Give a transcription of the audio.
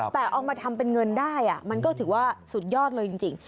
แต่เอามาทำเป็นเงินได้มันก็ถือว่าสุดยอดเลยจริง